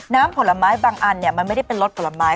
ผลไม้บางอันมันไม่ได้เป็นรสผลไม้